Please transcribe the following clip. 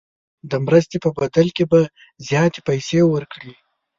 د مرستې په بدل کې به زیاتې پیسې ورکړي.